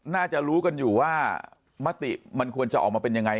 น่าจะรู้กันอยู่ว่ามติมันควรจะออกมาเป็นยังไง